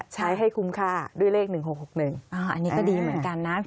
ใช้ให้คุ้มค่าด้วยเลข๑๖๖๑อันนี้ก็ดีเหมือนกันนะ